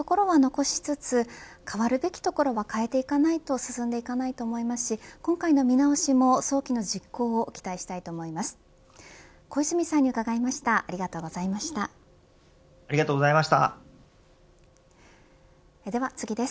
よいところは残しつつ変わるべきところは変えていかないと進んでいかないと思いますし今回の見直しも早期の実行を期待したいと思います。